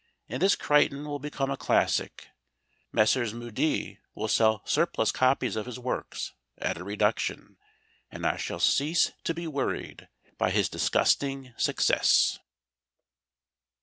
And this Crichton will become a classic, Messrs. Mudie will sell surplus copies of his works at a reduction, and I shall cease to be worried by his disgusting success.